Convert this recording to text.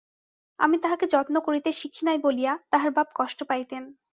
আমি তাহাকে যত্ন করিতে শিখি নাই বলিয়া তাহার বাপ কষ্ট পাইতেন।